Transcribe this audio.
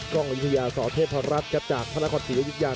กล้องอยุธยาสเทพธรรมรัฐจากธนครศรีอยุธยา